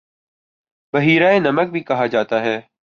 بحیرہ نمک بھی کہا جاتا ہے